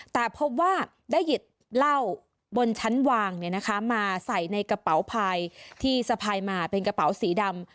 แต่พบว่าได้หยิบเหล้าบนชั้นวางมาใส่ในกระเป๋าพายที่สะพายมาเป็นกระเป๋าสีดำ